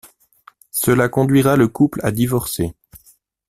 Cela conduira le couple à divorcer.